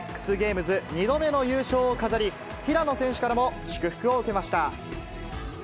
ＸＧａｍｅｓ２度目の優勝を飾り、平野選手からも祝福を受けました。